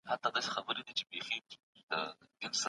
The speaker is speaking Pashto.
که څېړنه دوامداره نه وي نو علمي بهیر ټکنی کیږي.